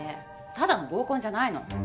ただの合コンじゃないの。